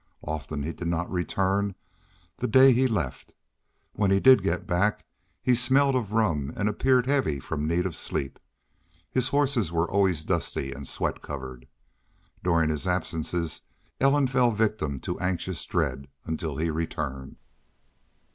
Often he did not return the day he left. When he did get back he smelled of rum and appeared heavy from need of sleep. His horses were always dust and sweat covered. During his absences Ellen fell victim to anxious dread until he returned.